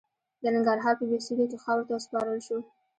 د ننګرهار په بهسودو کې خاورو ته وسپارل شو.